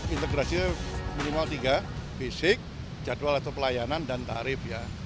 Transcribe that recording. integrasinya minimal tiga fisik jadwal atau pelayanan dan tarif ya